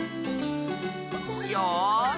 よし。